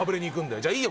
じゃあいいよ